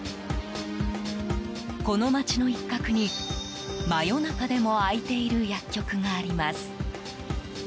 この街の一角に、真夜中でも開いている薬局があります。